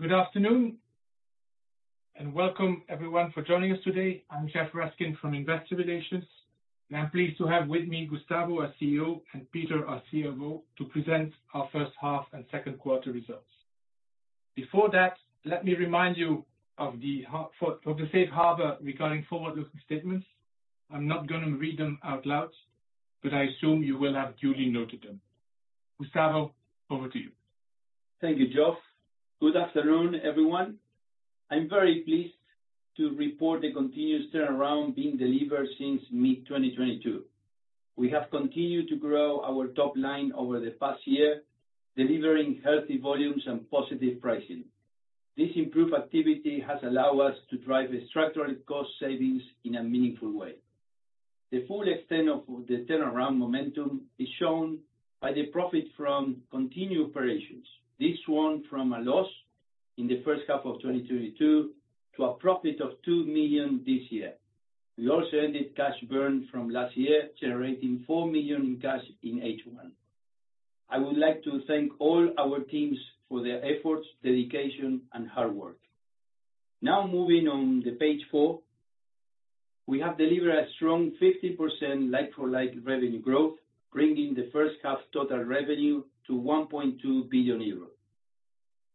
Good afternoon, welcome everyone for joining us today. I'm Geoffroy Raskin from Investor Relations, and I'm pleased to have with me Gustavo, our CEO, and Peter, our CFO, to present our first half and second quarter results. Before that, let me remind you of the safe harbor regarding forward-looking statements. I'm not gonna read them out loud, but I assume you will have duly noted them. Gustavo, over to you. Thank you, Geoff. Good afternoon, everyone. I'm very pleased to report the continuous turnaround being delivered since mid-2022. We have continued to grow our top line over the past year, delivering healthy volumes and positive pricing. This improved activity has allowed us to drive the structural cost savings in a meaningful way. The full extent of the turnaround momentum is shown by the profit from continuing operations. This one from a loss in the first half of 2022 to a profit of 2 million this year. We also ended cash burn from last year, generating 4 million in cash in H1. I would like to thank all our teams for their efforts, dedication, and hard work. Now, moving on page four, we have delivered a strong 50% like-for-like revenue growth, bringing the first half total revenue to 1.2 billion euros.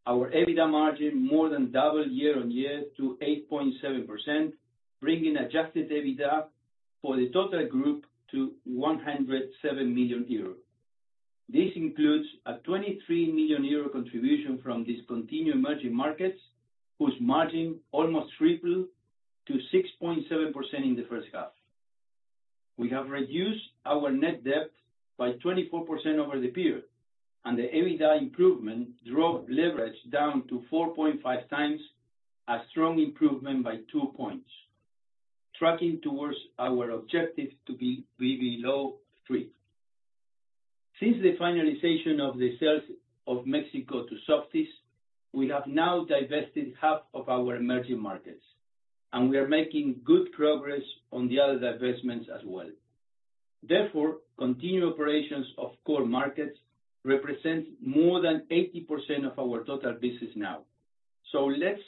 Our EBITDA margin more than doubled year on year to 8.7%, bringing adjusted EBITDA for the Total Group to 107 million euros. This includes a 23 million euro contribution from discontinued Emerging Markets, whose margin almost tripled to 6.7% in the first half. We have reduced our net debt by 24% over the period, and the EBITDA improvement dropped leverage down to 4.5x, a strong improvement by two points, tracking towards our objective to be below three. Since the finalization of the sales of Mexico to Softys, we have now divested half of our Emerging Markets, and we are making good progress on the other divestments as well. Therefore, continuing operations of Core Markets represent more than 80% of our total business now. Let's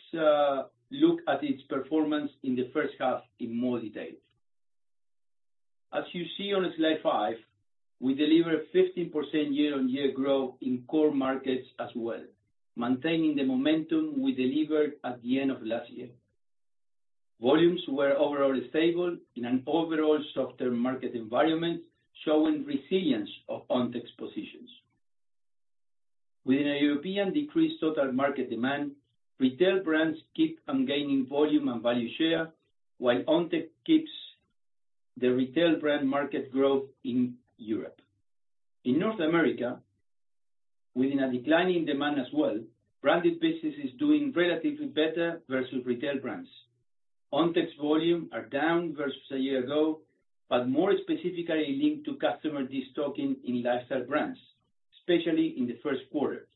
look at its performance in the first half in more detail. As you see on slide 5, we delivered 15% year-on-year growth in Core Markets as well, maintaining the momentum we delivered at the end of last year. Volumes were overall stable in an overall softer market environment, showing resilience of Ontex positions. Within a European decreased total market demand, retail brands keep on gaining volume and value share, while Ontex keeps the retail brand market growth in Europe. In North America, within a declining demand as well, branded business is doing relatively better versus retail brands. Ontex volume are down versus a year ago, but more specifically linked to customer destocking in lifestyle brands, especially in the first quarter.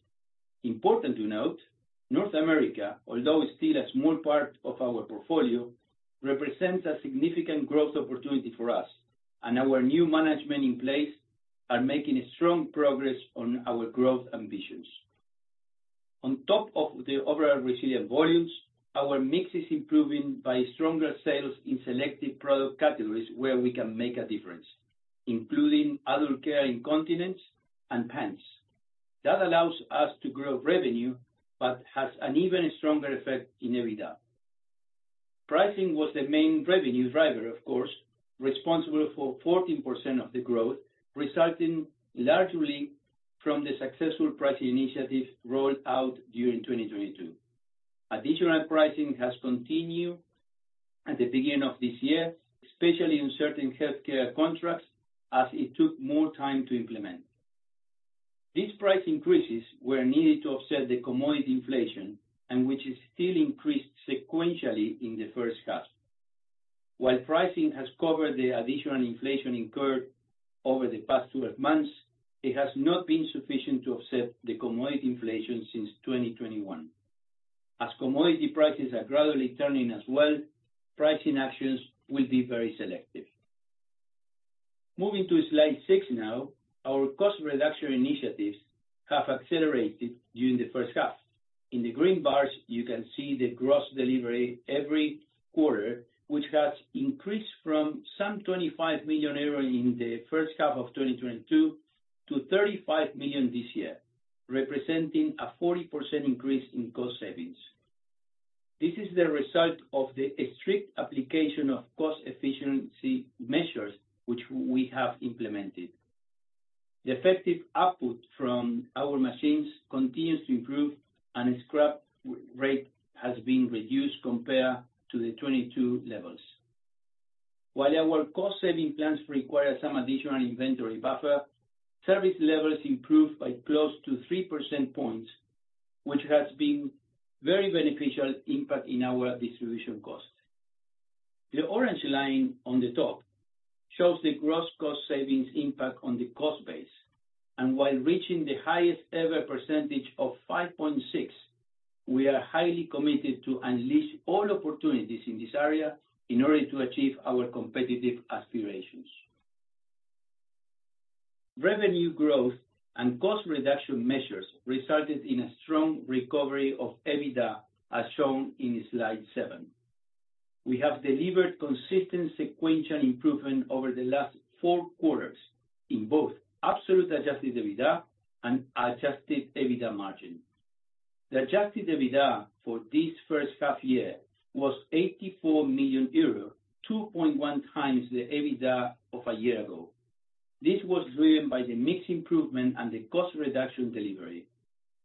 Important to note, North America, although still a small part of our portfolio, represents a significant growth opportunity for us, and our new management in place are making strong progress on our growth ambitions. On top of the overall resilient volumes, our mix is improving by stronger sales in selected product categories where we can make a difference, including Adult Care, incontinence and pants. That allows us to grow revenue but has an even stronger effect in EBITDA. Pricing was the main revenue driver, of course, responsible for 14% of the growth, resulting largely from the successful pricing initiatives rolled out during 2022. Additional pricing has continued at the beginning of this year, especially in certain healthcare contracts, as it took more time to implement. These price increases were needed to offset the commodity inflation and which is still increased sequentially in the first half. While pricing has covered the additional inflation incurred over the past 12 months, it has not been sufficient to offset the commodity inflation since 2021. As commodity prices are gradually turning as well, pricing actions will be very selective. Moving to slide 6 now. Our cost reduction initiatives have accelerated during the first half. In the green bars, you can see the gross delivery every quarter, which has increased from some 25 million euros in the first half of 2022 to 35 million this year, representing a 40% increase in cost savings. This is the result of the strict application of cost efficiency measures, which we have implemented. The effective output from our machines continues to improve, and scrap rate has been reduced compared to the 2022 levels. While our cost-saving plans require some additional inventory buffer, service levels improved by close to 3 percentage points, which has been very beneficial impact in our distribution costs. The orange line on the top shows the gross cost savings impact on the cost base, and while reaching the highest ever percentage of 5.6%, we are highly committed to unleash all opportunities in this area in order to achieve our competitive aspirations. Revenue growth and cost reduction measures resulted in a strong recovery of EBITDA, as shown in slide seven. We have delivered consistent sequential improvement over the last four quarters in both absolute adjusted EBITDA and adjusted EBITDA margin. The adjusted EBITDA for this first half was 84 million euro, 2.1x the EBITDA of a year ago. This was driven by the mix improvement and the cost reduction delivery.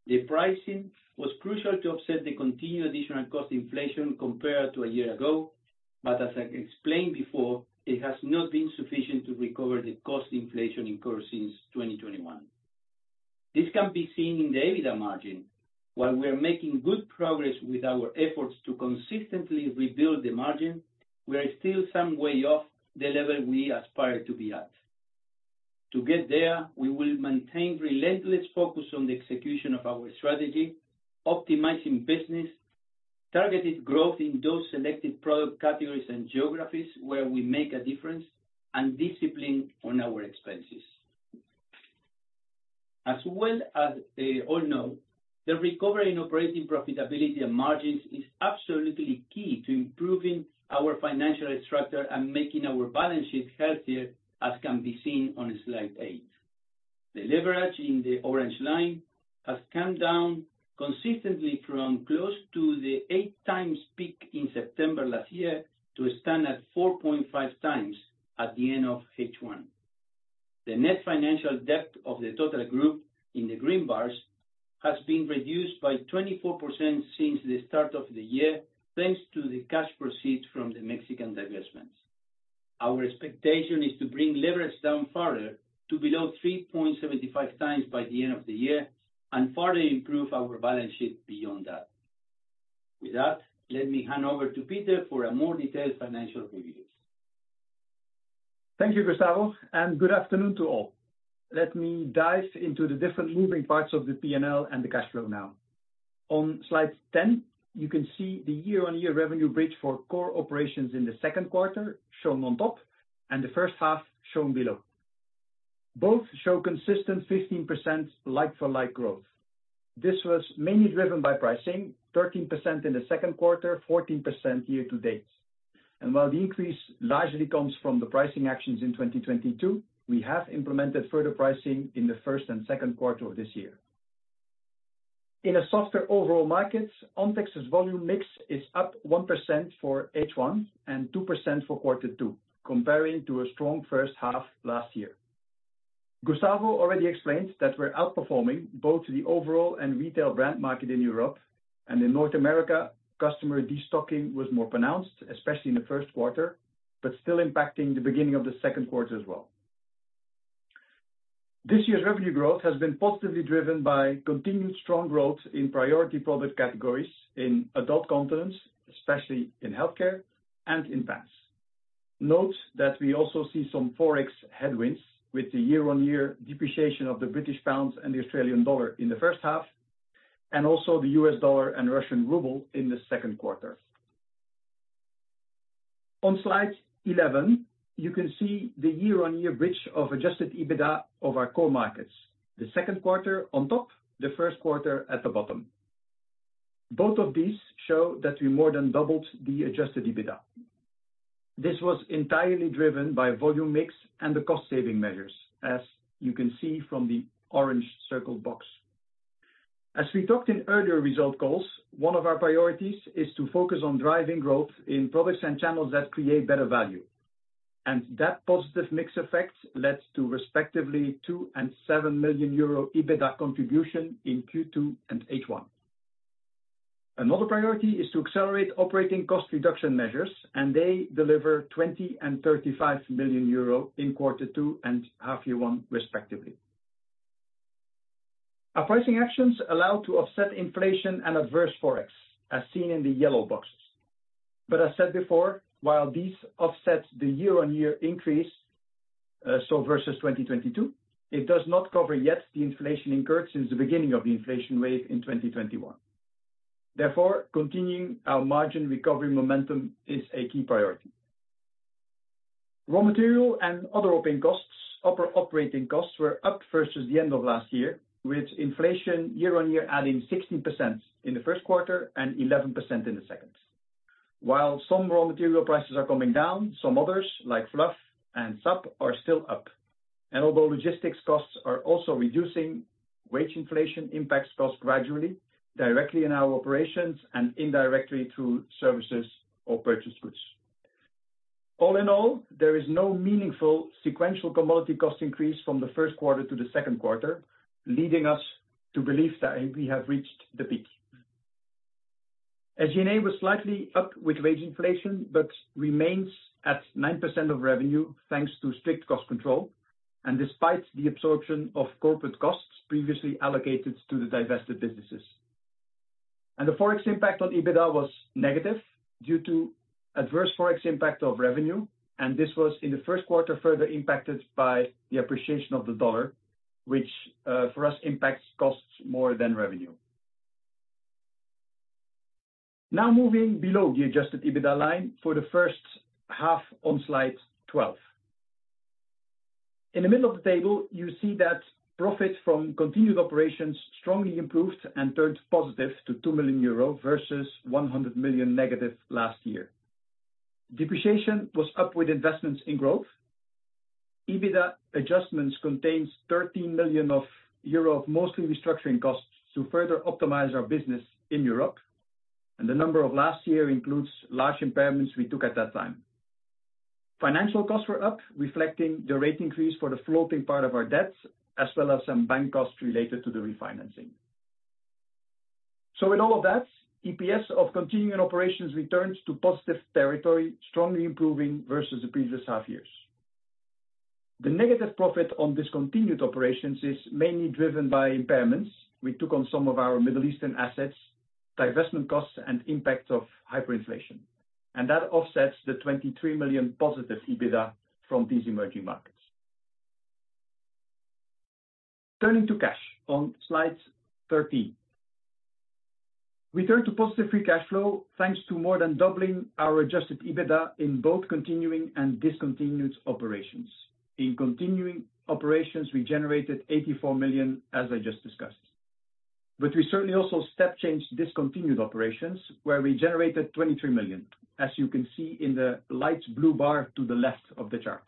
The pricing was crucial to offset the continued additional cost inflation compared to a year ago, but as I explained before, it has not been sufficient to recover the cost inflation incurred since 2021. This can be seen in the EBITDA margin. While we are making good progress with our efforts to consistently rebuild the margin, we are still some way off the level we aspire to be at. To get there, we will maintain relentless focus on the execution of our strategy, optimizing business, targeted growth in those selected product categories and geographies where we make a difference, and discipline on our expenses. As well as, all know, the recovery in operating profitability and margins is absolutely key to improving our financial structure and making our balance sheet healthier, as can be seen on slide eight. The leverage in the orange line has come down consistently from close to the eight times peak in September last year, to a standard 4.5x at the end of H1. The net financial debt of the Total Group, in the green bars, has been reduced by 24% since the start of the year, thanks to the cash proceeds from the Mexican divestments. Our expectation is to bring leverage down further to below 3.75x by the end of the year, and further improve our balance sheet beyond that. With that, let me hand over to Peter for a more detailed financial review. Thank you, Gustavo. Good afternoon to all. Let me dive into the different moving parts of the P&L and the cash flow now. On slide 10, you can see the year-on-year revenue bridge for core operations in the second quarter, shown on top, and the first half, shown below. Both show consistent 15% like-for-like growth. This was mainly driven by pricing, 13% in the second quarter, 14% year-to-date. While the increase largely comes from the pricing actions in 2022, we have implemented further pricing in the first and second quarter of this year. In a softer overall market, Ontex's volume mix is up 1% for H1 and 2% for quarter two, comparing to a strong first half last year. Gustavo already explained that we're outperforming both the overall and retail brand market in Europe. In North America, customer destocking was more pronounced, especially in the first quarter, but still impacting the beginning of the second quarter as well. This year's revenue growth has been positively driven by continued strong growth in priority product categories in adult incontinence, especially in Healthcare and in VASS. Note that we also see some Forex headwinds with the year-on-year depreciation of the British pound and the Australian dollar in the first half. Also, the U.S. dollar and Russian ruble in the second quarter. On slide 11, you can see the year-on-year bridge of adjusted EBITDA of our Core Markets. The second quarter on top, the first quarter at the bottom. Both of these show that we more than doubled the adjusted EBITDA. This was entirely driven by volume mix and the cost saving measures, as you can see from the orange circle box. As we talked in earlier result calls, one of our priorities is to focus on driving growth in products and channels that create better value, and that positive mix effect led to respectively 2 million and 7 million euro EBITDA contribution in Q2 and H1. Another priority is to accelerate operating cost reduction measures, and they deliver 20 million and 35 million euro in Q2 and H1, respectively. Our pricing actions allow to offset inflation and adverse Forex, as seen in the yellow boxes. I said before, while these offset the year-on-year increase, so versus 2022, it does not cover yet the inflation incurred since the beginning of the inflation wave in 2021. Therefore, continuing our margin recovery momentum is a key priority. Raw material and other operating costs, operating costs were up versus the end of last year, with inflation year on year adding 16% in Q1 and 11% in Q2. While some raw material prices are coming down, some others, like fluff and SAP, are still up. Although logistics costs are also reducing, wage inflation impacts costs gradually, directly in our operations and indirectly through services or purchased goods. All in all, there is no meaningful sequential commodity cost increase from Q1 to Q2, leading us to believe that we have reached the peak. SG&A was slightly up with wage inflation, but remains at 9% of revenue, thanks to strict cost control, and despite the absorption of corporate costs previously allocated to the divested businesses. The Forex impact on EBITDA was negative due to adverse Forex impact of revenue, and this was in the first quarter, further impacted by the appreciation of the dollar, which for us, impacts costs more than revenue. Now moving below the adjusted EBITDA line for the first half on slide 12. In the middle of the table, you see that profit from continuing operations strongly improved and turned positive to 2 million euro versus -100 million last year. Depreciation was up with investments in growth. EBITDA adjustments contains 13 million euro, mostly restructuring costs, to further optimize our business in Europe, and the number of last year includes large impairments we took at that time. Financial costs were up, reflecting the rate increase for the floating part of our debts, as well as some bank costs related to the refinancing. In all of that, EPS of continuing operations returns to positive territory, strongly improving versus the previous half years. The negative profit on discontinued operations is mainly driven by impairments we took on some of our Middle Eastern assets, divestment costs, and impact of hyperinflation. That offsets the 23 million positive EBITDA from these Emerging Markets. Turning to cash on slide thirteen. We turn to positive free cash flow, thanks to more than doubling our adjusted EBITDA in both continuing and discontinued operations. In continuing operations, we generated 84 million, as I just discussed, but we certainly also step changed discontinued operations, where we generated 23 million, as you can see in the light blue bar to the left of the chart.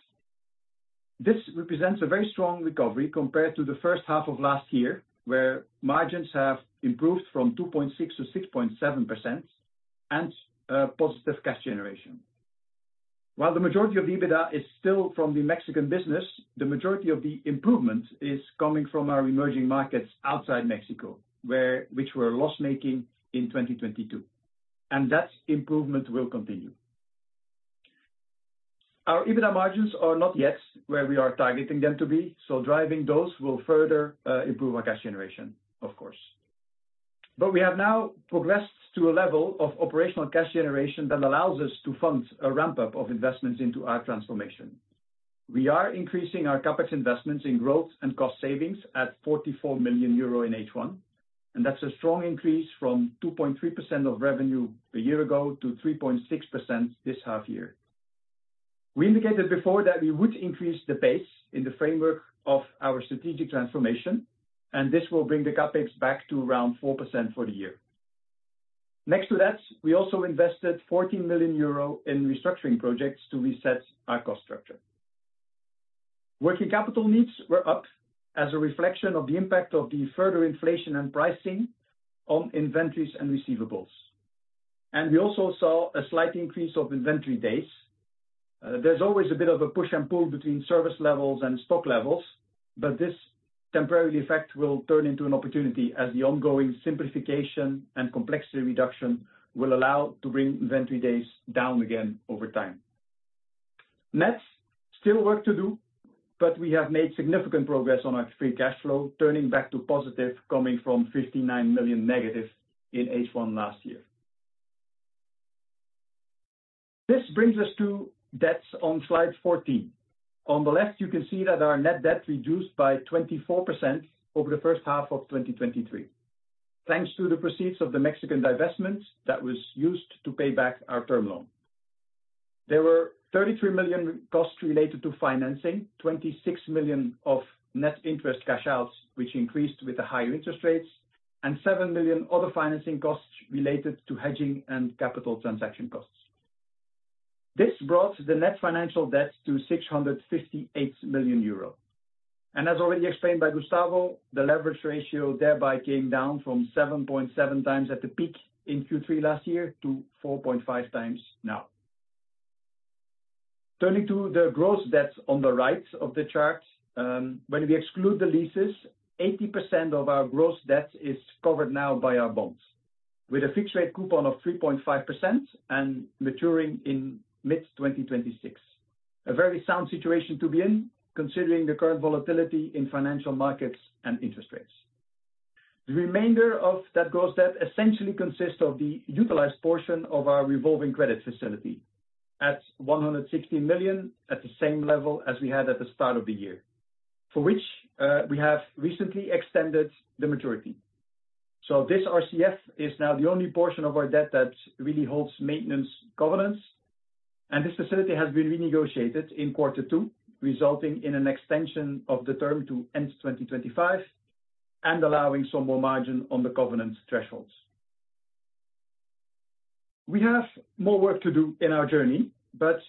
This represents a very strong recovery compared to the first half of last year, where margins have improved from 2.6% to 6.7% and positive cash generation. While the majority of the EBITDA is still from the Mexican business, the majority of the improvement is coming from our Emerging Markets outside Mexico, where which were loss-making in 2022, and that improvement will continue. Our EBITDA margins are not yet where we are targeting them to be, so driving those will further improve our cash generation, of course. We have now progressed to a level of operational cash generation that allows us to fund a ramp-up of investments into our transformation. We are increasing our CapEx investments in growth and cost savings at 44 million euro in H1, and that's a strong increase from 2.3% of revenue a year ago to 3.6% this half year. We indicated before that we would increase the pace in the framework of our strategic transformation, and this will bring the CapEx back to around 4% for the year. Next to that, we also invested 14 million euro in restructuring projects to reset our cost structure. Working capital needs were up as a reflection of the impact of the further inflation and pricing on inventories and receivables, and we also saw a slight increase of inventory days. There's always a bit of a push and pull between service levels and stock levels, but this temporary effect will turn into an opportunity as the ongoing simplification and complexity reduction will allow to bring inventory days down again over time. Net, still work to do, but we have made significant progress on our free cash flow, turning back to positive, coming from -59 million in H1 2022. This brings us to debts on slide 14. On the left, you can see that our net debt reduced by 24% over the first half of 2023, thanks to the proceeds of the Mexican divestment that was used to pay back our term loan. There were 33 million costs related to financing, 26 million of net interest cash outs, which increased with the higher interest rates, and 7 million other financing costs related to hedging and capital transaction costs. This brought the net financial debt to 658 million euros, as already explained by Gustavo, the leverage ratio thereby came down from 7.7x at the peak in Q3 last year to 4.5x now. Turning to the gross debt on the right of the chart, when we exclude the leases, 80% of our gross debt is covered now by our bonds, with a fixed rate coupon of 3.5% and maturing in mid-2026. A very sound situation to be in, considering the current volatility in financial markets and interest rates. The remainder of that gross debt essentially consists of the utilized portion of our revolving credit facility at 160 million, at the same level as we had at the start of the year, for which we have recently extended the maturity. This RCF is now the only portion of our debt that really holds maintenance governance, and this facility has been renegotiated in Q2, resulting in an extension of the term to end 2025 and allowing some more margin on the covenant thresholds. We have more work to do in our journey, but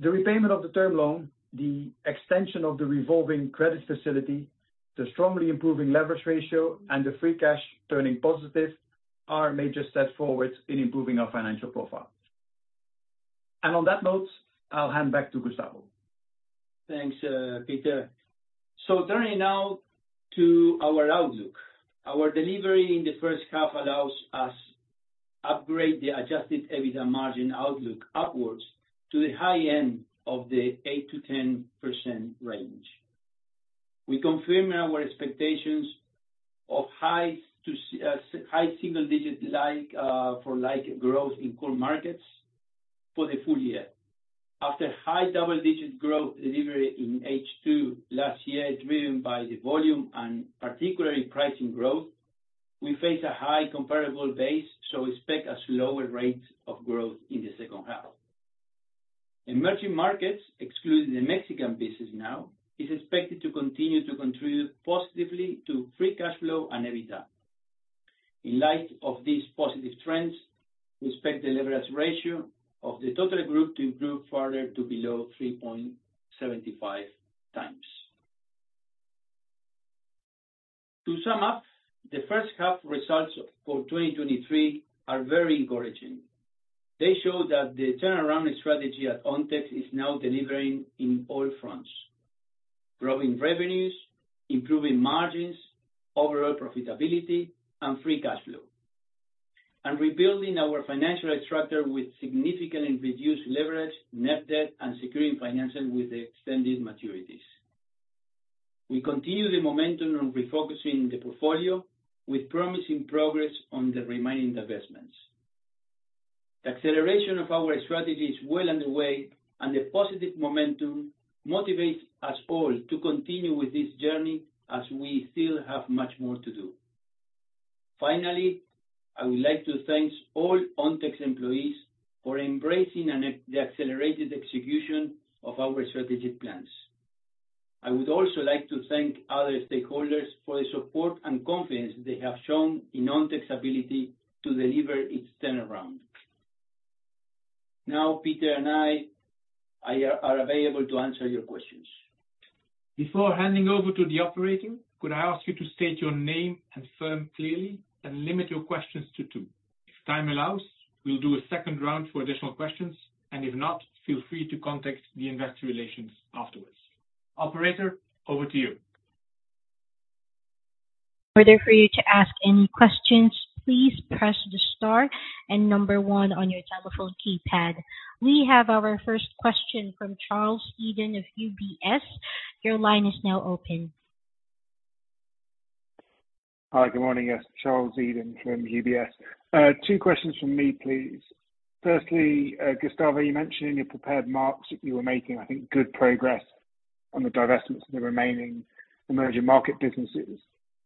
the repayment of the term loan, the extension of the revolving credit facility, the strongly improving leverage ratio, and the free cash turning positive are major steps forward in improving our financial profile. On that note, I'll hand back to Gustavo. Thanks, Peter. Turning now to our outlook. Our delivery in the first half allows us upgrade the adjusted EBITDA margin outlook upwards to the high end of the 8%-10% range. We confirm our expectations of high to high single-digit like-for-like growth in Core Markets for the full year. After high double-digit growth delivery in H2 last year, driven by the volume and particularly pricing growth, we face a high comparable base, so expect a slower rate of growth in the second half. Emerging Markets, excluding the Mexican business now, is expected to continue to contribute positively to free cash flow and EBITDA. In light of these positive trends, we expect the leverage ratio of the Total Group to improve further to below 3.75x. To sum up, the first half results for 2023 are very encouraging. They show that the turnaround strategy at Ontex is now delivering in all fronts, growing revenues, improving margins, overall profitability, and free cash flow, and rebuilding our financial structure with significantly reduced leverage, net debt, and securing financing with the extended maturities. We continue the momentum of refocusing the portfolio with promising progress on the remaining divestments. The acceleration of our strategy is well underway, and the positive momentum motivates us all to continue with this journey as we still have much more to do. Finally, I would like to thank all Ontex employees for embracing and the accelerated execution of our strategic plans. I would also like to thank other stakeholders for the support and confidence they have shown in Ontex's ability to deliver its turnaround. Now, Peter and I are available to answer your questions. Before handing over to the operator, could I ask you to state your name and firm clearly, and limit your questions to two? If time allows, we'll do a second round for additional questions, and if not, feel free to contact the Investor Relations afterwards. Operator, over to you. Order for you to ask any questions, please press the star and number one on your telephone keypad. We have our first question from Charles Eden of UBS. Your line is now open. Hi, good morning. Yes, Charles Eden from UBS. Two questions from me, please. Firstly, Gustavo, you mentioned in your prepared marks that you were making, I think, good progress on the divestments of the remaining Emerging Markets businesses.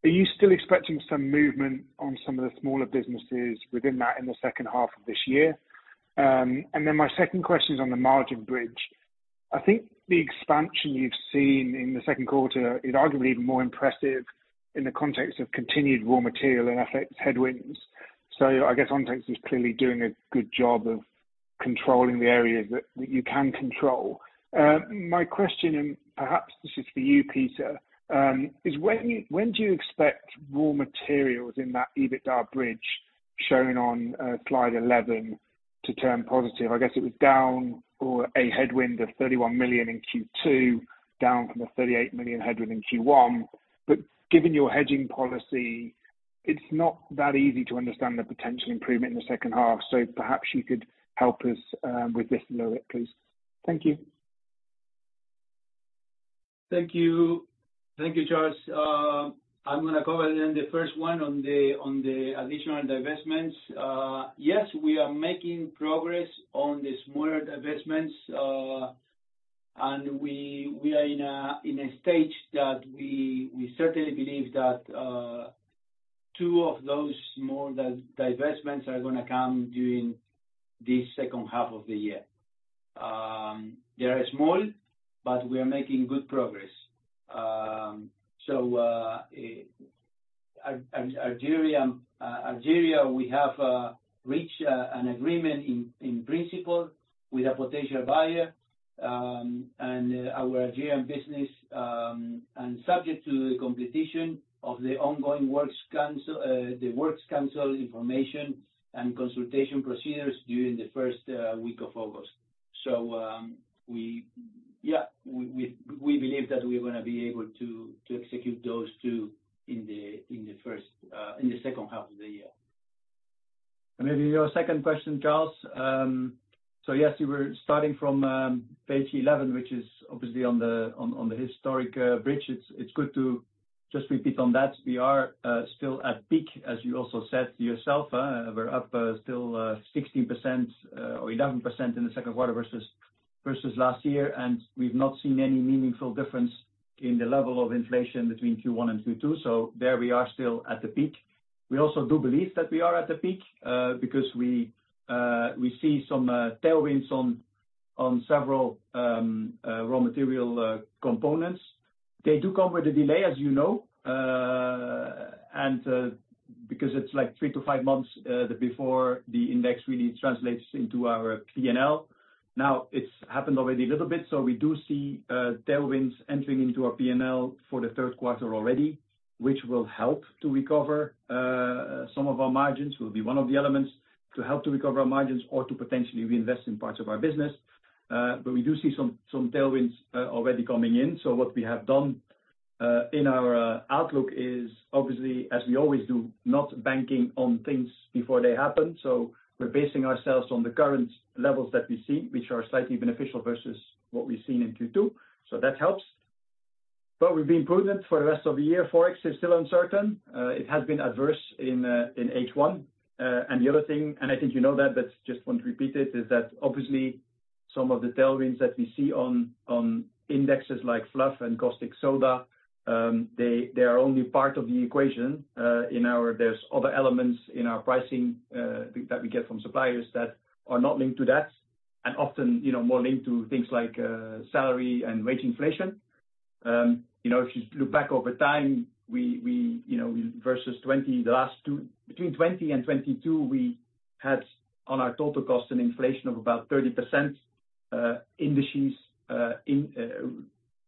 Are you still expecting some movement on some of the smaller businesses within that in the second half of this year? My second question is on the margin bridge. I think the expansion you've seen in the second quarter is arguably even more impressive in the context of continued raw material and FX headwinds. I guess Ontex is clearly doing a good job of controlling the areas that, that you can control. My question, and perhaps this is for you, Peter, is when, when do you expect raw materials in that EBITDA bridge shown on slide eleven to turn positive? I guess it was down or a headwind of 31 million in Q2, down from the 38 million headwind in Q1. Given your hedging policy, it's not that easy to understand the potential improvement in the second half. Perhaps you could help us with this a little bit, please. Thank you. Thank you. Thank you, Charles. I'm gonna cover then the first one on the, on the additional divestments. Yes, we are making progress on the smaller divestments, and we, we are in a, in a stage that we, we certainly believe that, two of those small divestments are gonna come during the second half of the year. They are small, but we are making good progress. Algeria, we have reached an agreement in principle with a potential buyer, and our Algerian business, and subject to the completion of the ongoing works council, the works council information and consultation procedures during the first week of August. We. Yeah, we, we, we believe that we're gonna be able to, to execute those two in the, in the first, in the second half of the year. Maybe your second question, Charles. Yes, you were starting from Slide eleven, which is obviously on the historic bridge. It's good to just repeat on that. We are still at peak, as you also said yourself, we're up still 16% or 11% in the second quarter versus last year, and we've not seen any meaningful difference in the level of inflation between Q1 and Q2. There we are still at the peak. We also do believe that we are at the peak because we see some tailwinds on several raw material components. They do come with a delay, as you know, and because it's like 3-5 months before the index really translates into our P&L. It's happened already a little bit, so we do see tailwinds entering into our P&L for the third quarter already, which will help to recover some of our margins. Will be one of the elements to help to recover our margins or to potentially reinvest in parts of our business. We do see some, some tailwinds already coming in. What we have done in our outlook is obviously, as we always do, not banking on things before they happen. We're basing ourselves on the current levels that we see, which are slightly beneficial versus what we've seen in Q2. That helps. We've been prudent for the rest of the year. Forex is still uncertain. It has been adverse in H1. The other thing, and I think you know that, but just want to repeat it, is that obviously some of the tailwinds that we see on, on indexes like fluff and caustic soda, they, they are only part of the equation, there's other elements in our pricing that we get from suppliers that are not linked to that, and often, you know, more linked to things like salary and wage inflation. You know, if you look back over time, we, we, you know, between 2020 and 2022, we had, on our total cost, an inflation of about 30%, indices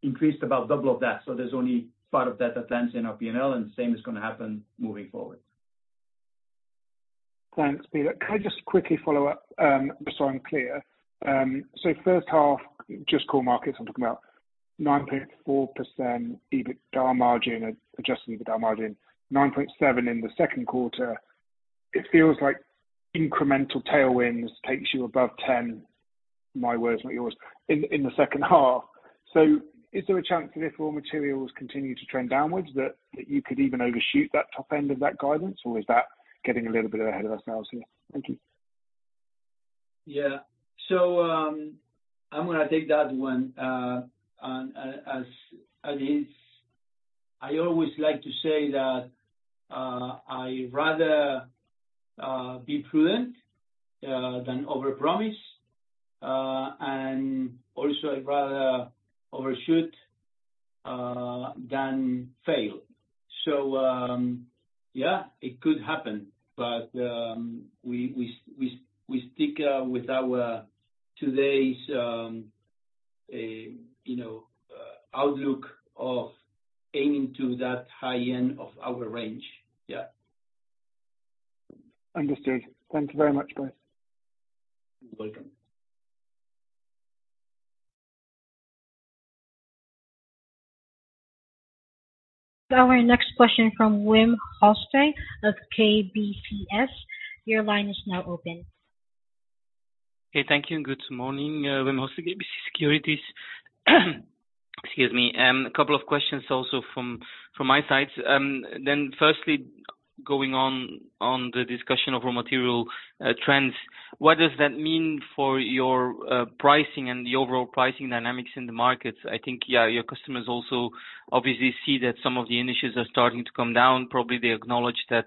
increased about double of that. There's only part of that that lands in our P&L, and the same is gonna happen moving forward. Thanks, Peter. Can I just quickly follow up, just so I'm clear? First half, just Core Markets, I'm talking about 9.4% EBITDA margin, adjusted EBITDA margin, 9.7% in the second quarter. It feels like incremental tailwinds takes you above 10, my words, not yours, in the second half. Is there a chance that if raw materials continue to trend downwards, that, that you could even overshoot that top end of that guidance, or is that getting a little bit ahead of ourselves here? Thank you. Yeah. I'm gonna take that one. As, as is, I always like to say that I rather be prudent than overpromise, and also I'd rather overshoot than fail. Yeah, it could happen, but we, we, we, we stick with our today's, you know, outlook of aiming to that high end of our range. Yeah. Understood. Thank you very much, guys. You're welcome. Our next question from Wim Hoste of KBCS. Your line is now open. Okay, thank you. Good morning. Wim Hoste, KBC Securities. Excuse me. A couple of questions also from my side. Firstly, going on, on the discussion of raw material trends, what does that mean for your pricing and the overall pricing dynamics in the markets? I think, yeah, your customers also obviously see that some of the initiatives are starting to come down. Probably, they acknowledge that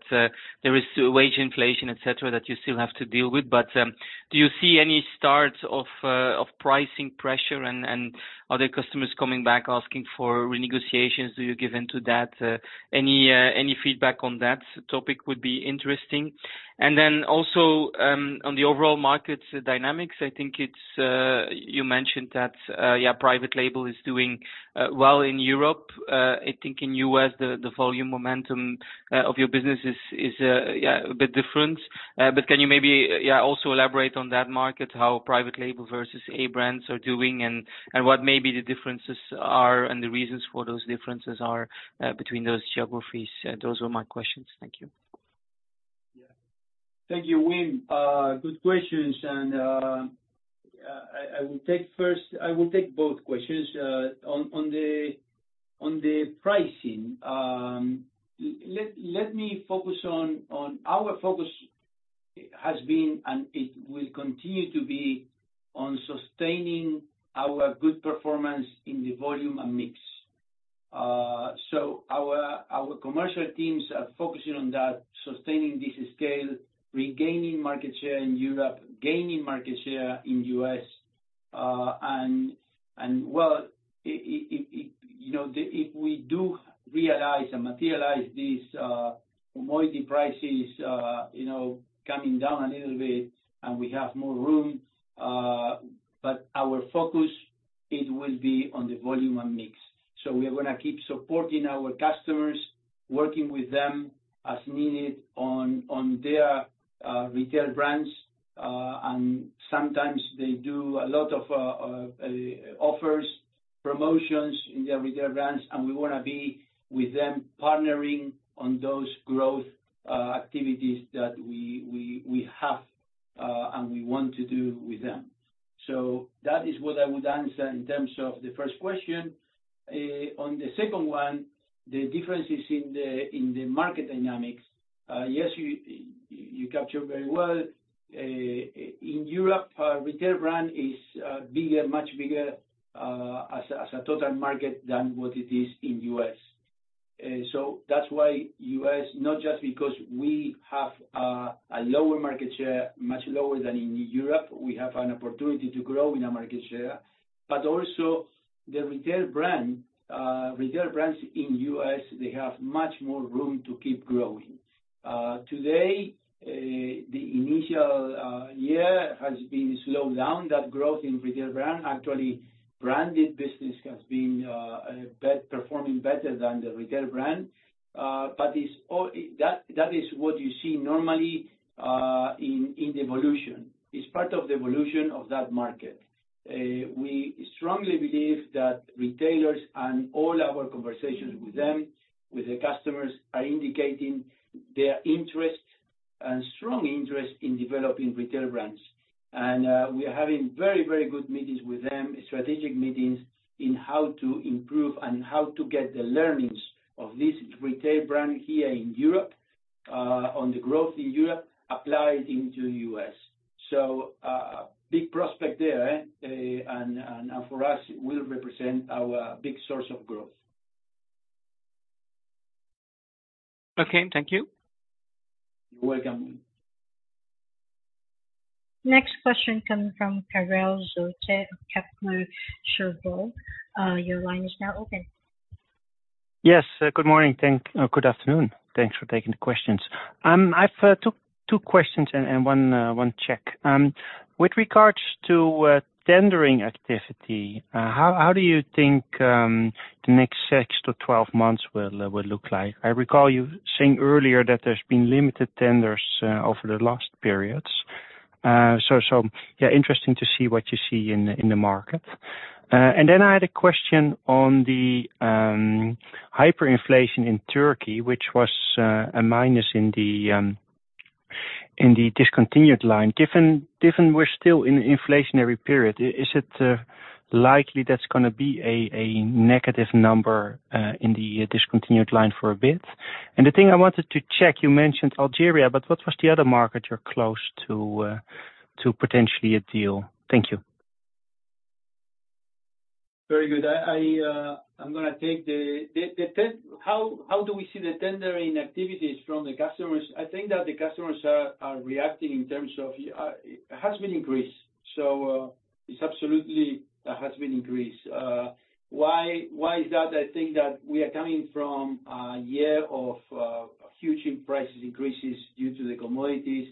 there is still wage inflation, et cetera, that you still have to deal with. Do you see any starts of pricing pressure and other customers coming back, asking for renegotiations? Do you give in to that? Any feedback on that topic would be interesting. Also, on the overall markets dynamics, you mentioned that private label is doing well in Europe. I think in U.S., the volume momentum of your business is a bit different. Can you maybe also elaborate on that market, how private label versus A brands are doing, and what maybe the differences are, and the reasons for those differences are between those geographies? Those were my questions. Thank you. Yeah. Thank you, Wim. Good questions. I will take both questions. On the pricing, let me focus on. Our focus has been, and it will continue to be, on sustaining our good performance in the volume and mix. Our commercial teams are focusing on that, sustaining this scale, regaining market share in Europe, gaining market share in U.S. Well, you know, if we do realize and materialize these commodity prices, you know, coming down a little bit and we have more room, our focus, it will be on the volume and mix. We are gonna keep supporting our customers, working with them as needed on their retail brands. Sometimes they do a lot of offers, promotions in their retail brands, and we wanna be with them, partnering on those growth activities that we, we, we have, and we want to do with them. On the second one, the differences in the, in the market dynamics, yes, you, you captured very well. In Europe, retail brand is bigger, much bigger, as a total market than what it is in U.S. That's why U.S., not just because we have a lower market share, much lower than in Europe, we have an opportunity to grow in our market share, but also the retail brand, retail brands in U.S., they have much more room to keep growing. Today, the initial year has been slowed down, that growth in retail brand. Actually, branded business has been performing better than the retail brand. That, that is what you see normally, in, in the evolution. It's part of the evolution of that market. We strongly believe that retailers and all our conversations with them, with the customers, are indicating their strong interest in developing retail brands. We are having very, very good meetings with them, strategic meetings, in how to improve and how to get the learnings of this retail brand here in Europe, on the growth in Europe, applied into U.S. Big prospect there, eh? For us, it will represent our big source of growth. Okay, thank you. You're welcome. Next question come from Karel Zoete of Kepler Cheuvreux. Your line is now open. Yes, good morning. Thank-- good afternoon. Thanks for taking the questions. I've two, two questions and one, one check. With regards to tendering activity, how do you think the next six to 12 months will look like? I recall you saying earlier that there's been limited tenders over the last periods. Yeah, interesting to see what you see in the market. And then I had a question on the hyperinflation in Turkey, which was a minus in the discontinued line. Given we're still in an inflationary period, is it likely that's gonna be a negative number in the discontinued line for a bit? The thing I wanted to check, you mentioned Algeria, but what was the other market you're close to, to potentially a deal? Thank you. Very good. I, I, I'm gonna take how do we see the tendering activities from the customers? I think that the customers are reacting in terms of. It has been increased. It's absolutely has been increased. Why is that? I think that we are coming from a year of huge increases due to the commodities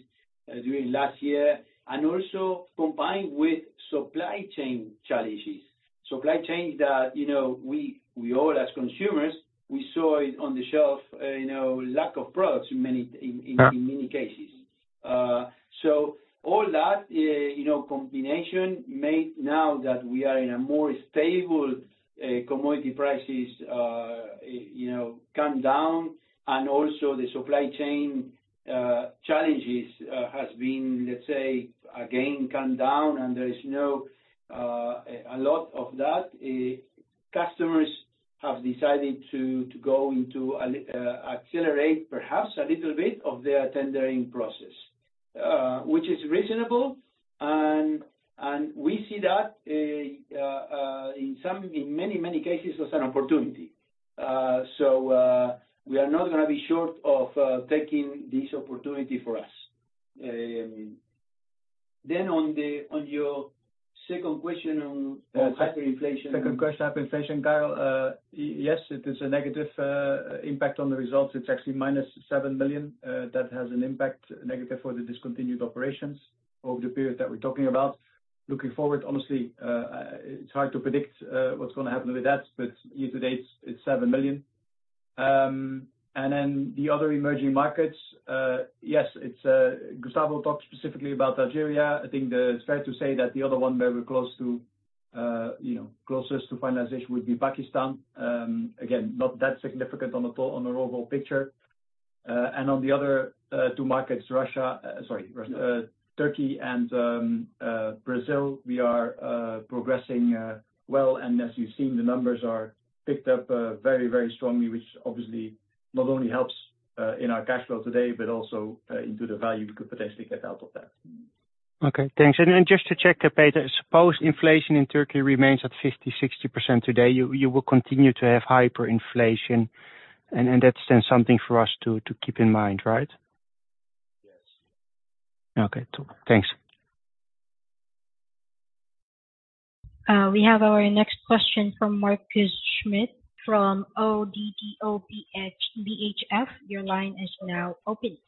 during last year, and also combined with supply chain challenges. Supply chain that, you know, we all as consumers, we saw it on the shelf, you know, lack of products in many cases. All that, you know, combination made now that we are in a more stable commodity prices, you know, come down and also the supply chain challenges has been, let's say, again, come down and there is no a lot of that customers have decided to, to go into accelerate perhaps a little bit of their tendering process, which is reasonable. We see that in many, many cases as an opportunity. We are not gonna be short of taking this opportunity for us. On the, on your second question on, on hyperinflation. Second question, hyperinflation, Karel, yes, it is a negative impact on the results. It's actually minus 7 million that has an impact, negative for the discontinued operations over the period that we're talking about. Looking forward, honestly, it's hard to predict what's gonna happen with that, but year to date, it's 7 million. Then the other Emerging Markets, yes, it's. Gustavo talked specifically about Algeria. I think that it's fair to say that the other one where we're close to, you know, closest to finalization, would be Pakistan. Again, not that significant on the overall picture. On the other, two markets, Russia, sorry, Russia, Turkey and Brazil, we are progressing, well, and as you've seen, the numbers are picked up, very, very strongly, which obviously not only helps in our cash flow today, but also into the value we could potentially get out of that. Okay, thanks. Just to check, Peter, suppose inflation in Turkey remains at 50%, 60% today, you will continue to have hyperinflation, that's then something for us to, to keep in mind, right? Yes. Okay, cool. Thanks. We have our next question from Markus Schmitt, from ODDO BHF. Your line is now open.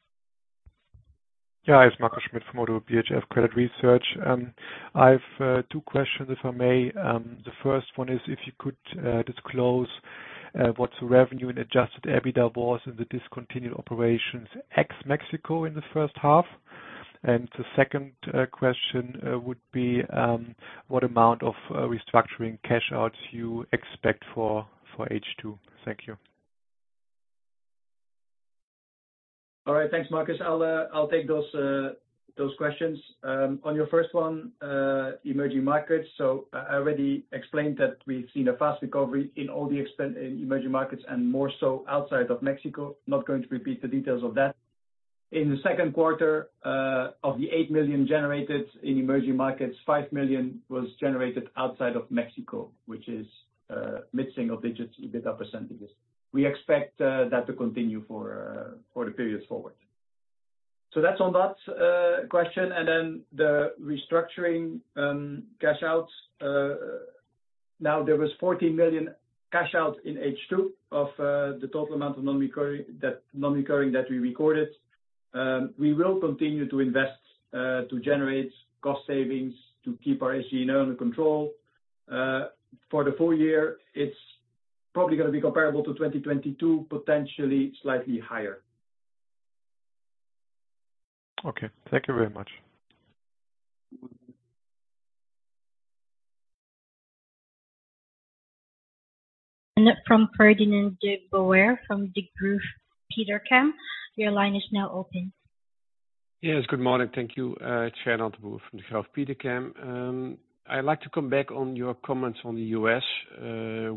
Yeah, it's Markus Schmitt from ODDO BHF Credit Research. I've two questions, if I may. The first one is, if you could disclose what the revenue and Adjusted EBITDA was in the discontinued operations, ex Mexico in the first half? The second question would be what amount of restructuring cash outs you expect for H2? Thank you. All right. Thanks, Markus. I'll take those questions. On your first one, Emerging Markets, I already explained that we've seen a fast recovery in all the in Emerging Markets and more so outside of Mexico. Not going to repeat the details of that. In the second quarter, of the 8 million generated in Emerging Markets, 5 million was generated outside of Mexico, which is mid-single digits, EBITDA percentages. We expect that to continue for the periods forward. That's on that question, and then the restructuring cash outs. Now there was 14 million cash outs in H2 of the total amount of non-recurring, that non-recurring that we recorded. We will continue to invest to generate cost savings, to keep our SG&A under control. For the full year, it's probably gonna be comparable to 2022, potentially slightly higher. Okay. Thank you very much. Next question is from the line of Ferdinand de Boer from Degroof Petercam. Your line is now open. Yes, good morning. Thank you. It's Ferdinand de Boer from Degroof Petercam. I'd like to come back on your comments on the U.S.,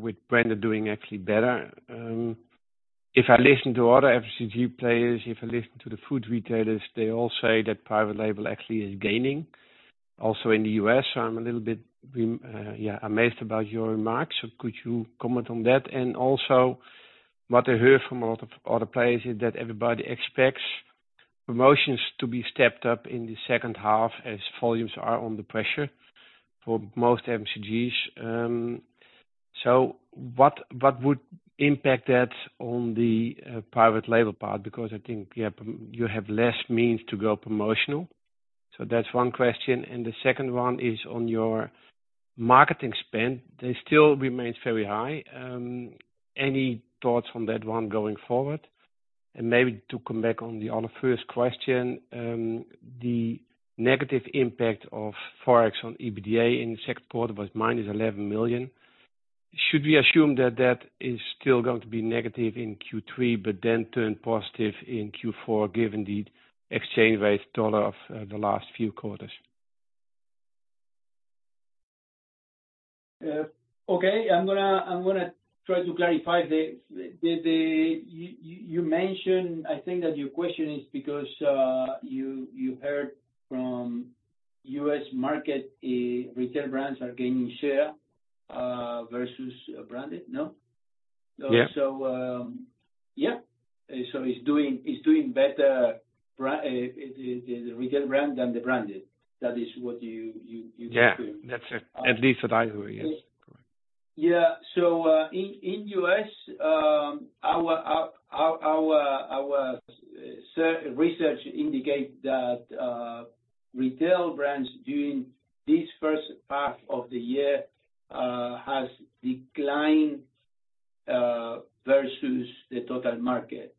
with brand doing actually better. If I listen to other FMCG players, if I listen to the food retailers, they all say that private label actually is gaining also in the U.S. I'm a little bit yeah, amazed about your remarks. Could you comment on that? Also, what I heard from a lot of other players is that everybody expects promotions to be stepped up in the second half as volumes are under pressure for most FMCGs. What, what would impact that on the private label part? I think, yeah, you have less means to go promotional. That's one question, and the second one is on your marketing spend. They still remains very high. Any thoughts on that one going forward? Maybe to come back on the other first question, the negative impact of Forex on EBITDA in the second quarter was -11 million. Should we assume that that is still going to be negative in Q3, but then turn positive in Q4, given the exchange rate US dollar of the last few quarters? Okay. I'm gonna try to clarify. You mentioned, I think that your question is because you heard from U.S. market, retail brands are gaining share versus branded, no? Yeah. Yeah. It's doing, it's doing better retail brand than the branded. That is what you. Yeah, that's it. At least what I hear, yes. Correct. Yeah. In, in U.S., our research indicate that retail brands during this first half of the year, has declined versus the total market.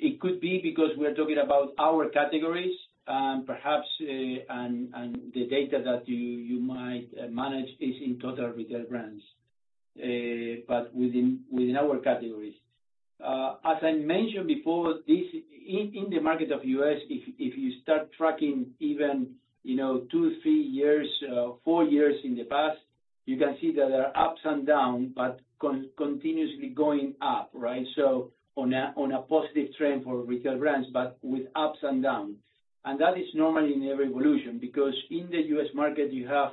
It could be because we're talking about our categories, and perhaps, and the data that you, you might manage is in total retail brands, but within, within our categories. As I mentioned before, this, in, in the market of U.S., if, if you start tracking even, you know, two, three years, four years in the past, you can see that there are ups and down, but continuously going up, right? On a positive trend for retail brands, but with ups and downs. That is normally in every evolution, because in the U.S. market, you have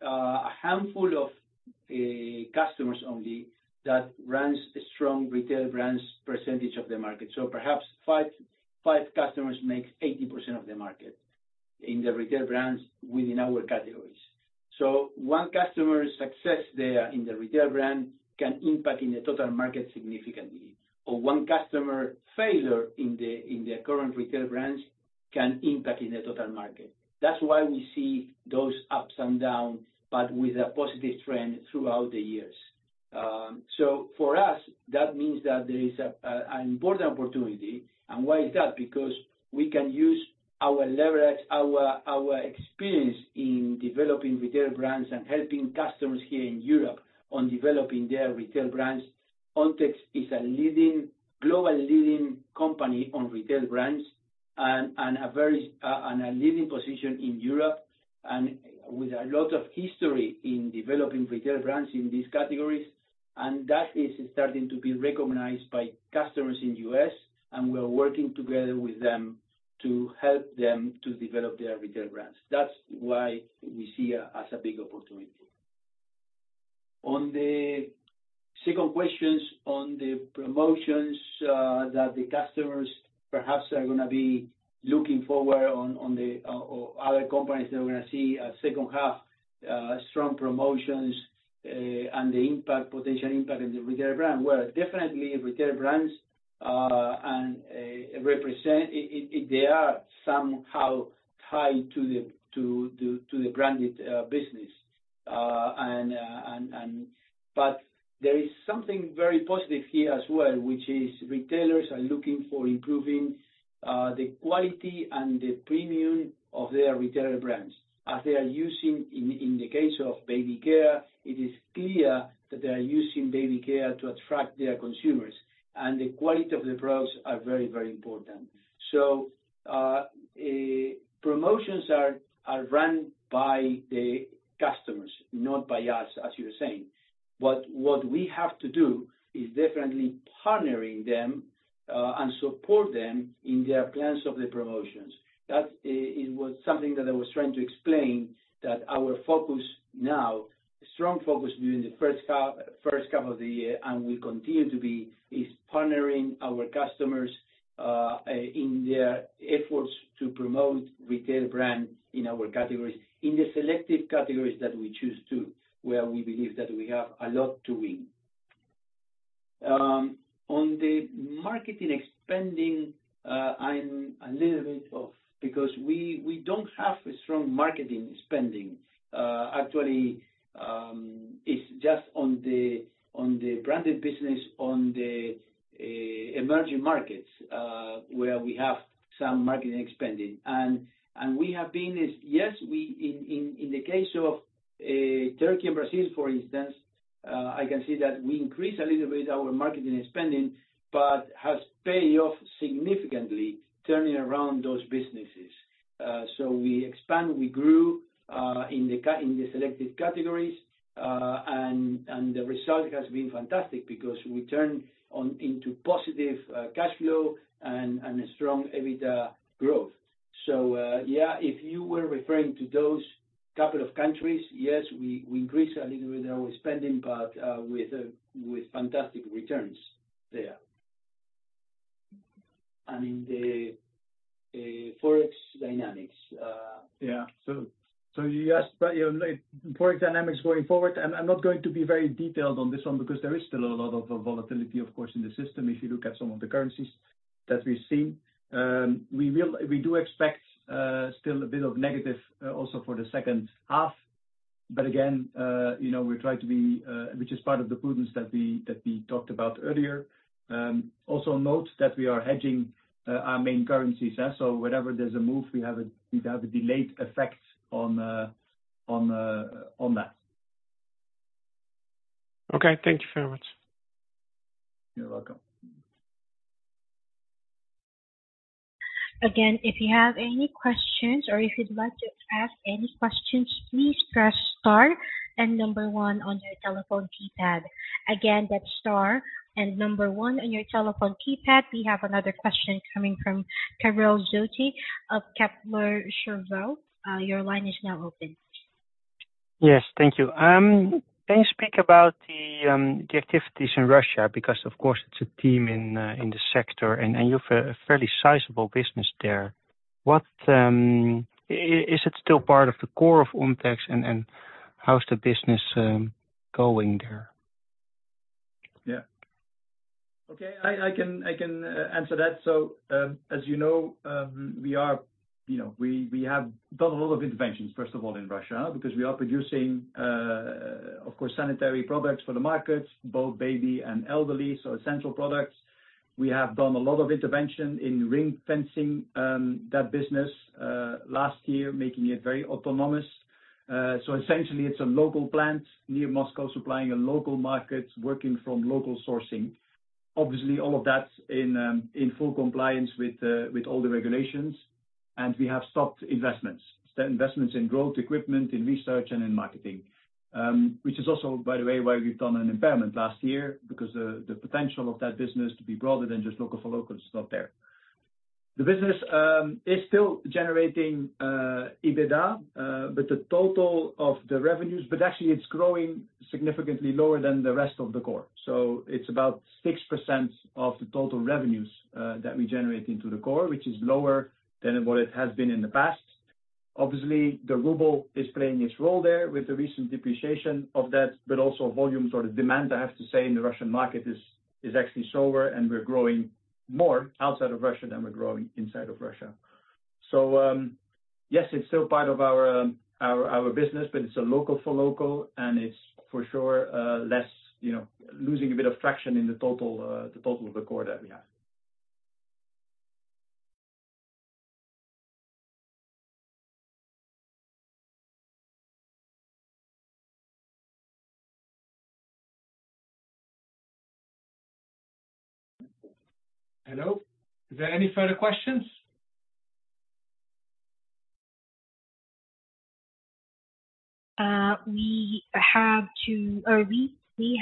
a handful of customers only that runs a strong retail brands percentage of the market. Perhaps five, five customers make 80% of the market in the retail brands within our categories. One customer success there in the retail brand can impact in the total market significantly, or one customer failure in the current retail brands can impact in the total market. That's why we see those ups and downs, but with a positive trend throughout the years. For us, that means that there is an important opportunity. Why is that? Because we can use our leverage, our experience in developing retail brands and helping customers here in Europe on developing their retail brands. Ontex is a leading, global leading company on retail brands and a very, and a leading position in Europe, and with a lot of history in developing retail brands in these categories. That is starting to be recognized by customers in U.S., and we're working together with them to help them to develop their retail brands. That's why we see as a big opportunity. On the second questions, on the promotions, that the customers perhaps are gonna be looking forward on, on the, or other companies that we're gonna see a second half, strong promotions, and the impact, potential impact in the retail brand. Well, definitely retail brands, and represent they are somehow tied to the branded business. And. There is something very positive here as well, which is retailers are looking for improving, the quality and the premium of their retail brands. As they are using, in, in the case of baby care, it is clear that they are using baby care to attract their consumers, and the quality of the products are very, very important. Promotions are, are run by the customers, not by us, as you were saying. What, what we have to do is definitely partnering them, and support them in their plans of the promotions. That it was something that I was trying to explain, that our focus now, strong focus during the first half, first half of the year, and will continue to be, is partnering our customers in their efforts to promote retail brands in our categories, in the selected categories that we choose to, where we believe that we have a lot to win. On the marketing expending, I'm a little bit off because we, we don't have a strong marketing spending. Actually, it's just on the branded business, on the Emerging Markets, where we have some marketing spending. And we have been is, yes, in, in, in the case of Turkey and Brazil, for instance, I can see that we increase a little bit our marketing spending, but has paid off significantly, turning around those businesses. We expand, we grew in the selected categories. And the result has been fantastic because we turn on into positive cash flow and a strong EBITDA growth. Yeah, if you were referring to those couple of countries, yes, we increased a little bit our spending, but with fantastic returns there. In the Forex dynamics. Yeah. You asked about, you know, Forex dynamics going forward. I'm not going to be very detailed on this one because there is still a lot of volatility, of course, in the system, if you look at some of the currencies that we've seen. We do expect still a bit of negative also for the second half. Again, you know, we try to be, which is part of the prudence that we, that we talked about earlier. Also note that we are hedging our main currencies. Whenever there's a move, we have a, we have a delayed effect on, on that. Okay, thank you very much. You're welcome. Again, if you have any questions or if you'd like to ask any questions, please press star and number one on your telephone keypad. Again, that's star and number one on your telephone keypad. We have another question coming from Karel Zoete of Kepler Cheuvreux. Your line is now open. Yes, thank you. Can you speak about the activities in Russia? Because, of course, it's a theme in the sector, and you have a fairly sizable business there. Is it still part of the core of Ontex, and how's the business going there? Yeah. Okay, I, I can, I can answer that. As you know, we are, you know, we have done a lot of interventions, first of all, in Russia, because we are producing, of course, sanitary products for the markets, both baby and elderly, so essential products. We have done a lot of intervention in ring-fencing that business last year, making it very autonomous. Essentially, it's a local plant near Moscow, supplying a local market, working from local sourcing. Obviously, all of that's in full compliance with all the regulations, we have stopped investments. Investments in growth, equipment, in research and in marketing. Which is also, by the way, why we've done an impairment last year, because the potential of that business to be broader than just local for local is not there. The business is still generating EBITDA, but the total of the revenues, but actually it's growing significantly lower than the rest of the Core. It's about 6% of the total revenues that we generate into the Core, which is lower than what it has been in the past. Obviously, the ruble is playing its role there with the recent depreciation of that, but also volumes or the demand, I have to say, in the Russian market is actually slower, and we're growing more outside of Russia than we're growing inside of Russia. Yes, it's still part of our business, but it's a local for local, and it's for sure less, you know, losing a bit of traction in the total, the total of the Core that we have. Hello, is there any further questions? We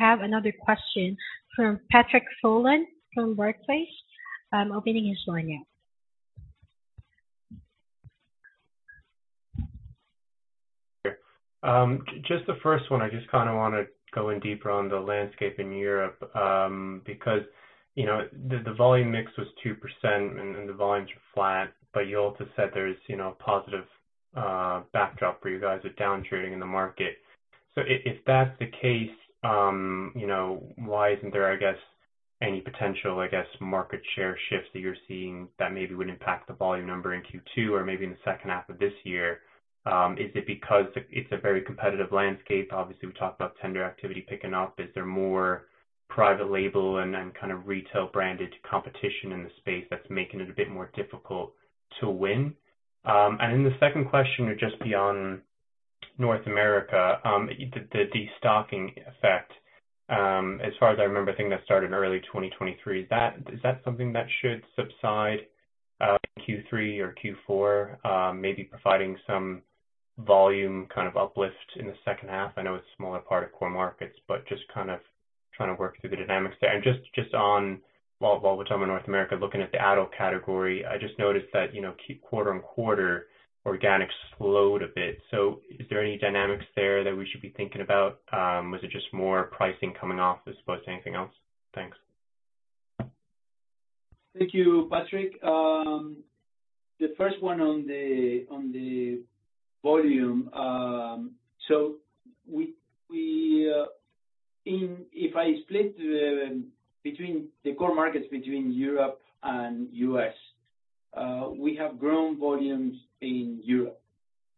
have another question from Patrick Folan from Barclays. I'm opening his line now. Sure. Just the first one, I just kind of want to go in deeper on the landscape in Europe, because, you know, the, the volume mix was 2% and, and the volumes were flat, but you also said there's, you know, positive backdrop for you guys with downtrending in the market. If that's the case, you know, why isn't there, I guess, any potential, I guess, market share shifts that you're seeing that maybe would impact the volume number in Q2 or maybe in the second half of this year? Is it because it's a very competitive landscape? Obviously, we talked about tender activity picking up. Is there more private label and, and kind of retail-branded competition in the space that's making it a bit more difficult to win? Then the second question, just beyond North America, the stocking effect, as far as I remember, I think that started in early 2023. Is that something that should subside Q3 or Q4, maybe providing some volume kind of uplift in the second half? I know it's a smaller part of Core Markets, just kind of trying to work through the dynamics there. Just on, while we're talking about North America, looking at the adult category, I just noticed that, you know, quarter-on-quarter, organics slowed a bit. Is there any dynamics there that we should be thinking about? Was it just more pricing coming off as opposed to anything else? Thanks. Thank you, Patrick. The first one on the volume. We, we, if I split the, between the Core Markets between Europe and U.S., we have grown volumes in Europe,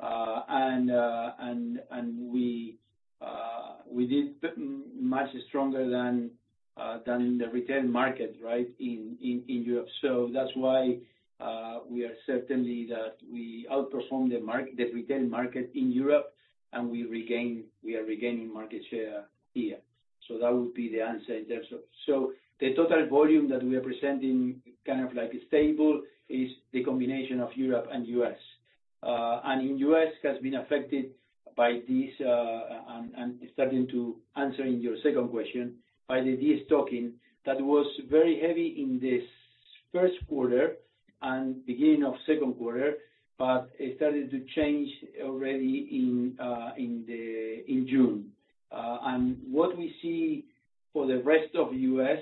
and, and we did much stronger than the retail market, right, in, in, in Europe. That's why we are certain that we outperformed the retail market in Europe, and we are regaining market share here. That would be the answer there. The total volume that we are presenting, kind of like stable, is the combination of Europe and US. In U.S., has been affected by this, starting to answering your second question, by the destocking that was very heavy in this first quarter and beginning of second quarter, but it started to change already in June. What we see for the rest of U.S.,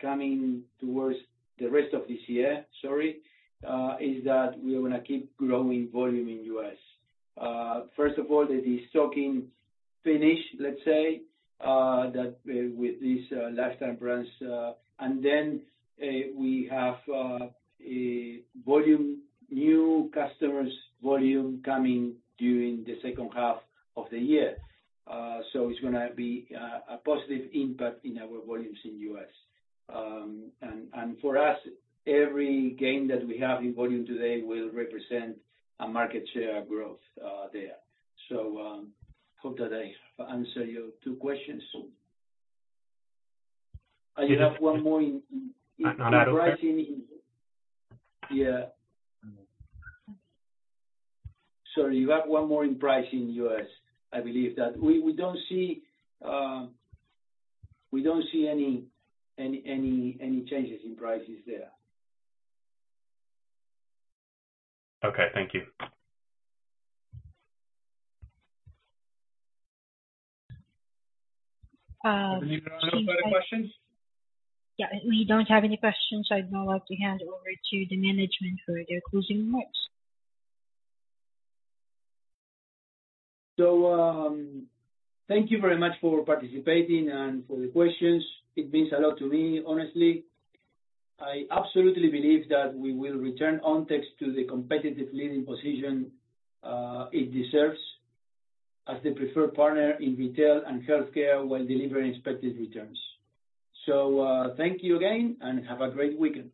coming towards the rest of this year, is that we are gonna keep growing volume in U.S. First of all, the destocking finish with this lifestyle brands, then we have a volume, new customers volume coming during the second half of the year. It's gonna be a positive impact in our volumes in U.S. For us, every gain that we have in volume today will represent a market share growth there. Hope that I answer your two questions. No, not at all. Yeah. Sorry, you have one more in pricing U.S., I believe that. We, we don't see any changes in prices there. Okay, thank you. Do you have any other questions? Yeah, we don't have any questions. I'd now like to hand over to the management for their closing remarks. Thank you very much for participating and for the questions. It means a lot to me, honestly. I absolutely believe that we will return Ontex to the competitive leading position, it deserves as the preferred partner in retail and healthcare while delivering expected returns. Thank you again, and have a great weekend.